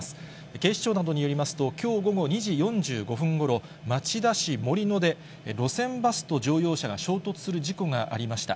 警視庁などによりますと、きょう午後２時４５分ごろ、町田市森野で、路線バスと乗用車が衝突する事故がありました。